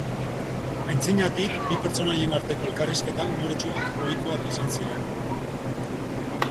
Antzinatik, bi pertsonaien arteko elkarrizketa umoretsuak ohikoak izan ziren.